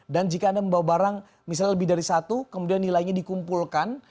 dan jika anda membawa barang misalnya lebih dari satu kemudian nilainya dikumpulkan